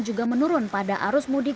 juga menurun pada arus mudik